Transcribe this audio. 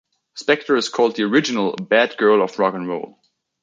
Spector is called the original "bad girl of rock and roll".